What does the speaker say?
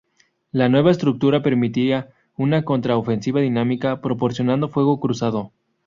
La nueva estructura permitía una contra- ofensiva dinámica, proporcionando fuego cruzado.